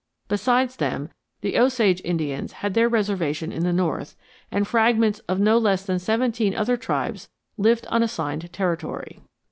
Besides them, the Osage Indians had their reservation in the north, and fragments of no less than seventeen other tribes lived on assigned territory.